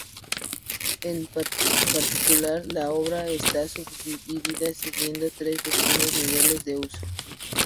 En particular, la obra está subdividida siguiendo tres distintos niveles de uso.